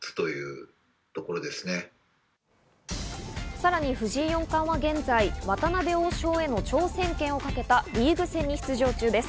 さらに藤井四冠は現在、渡辺王将への挑戦権を懸けたリーグ戦に出場中です。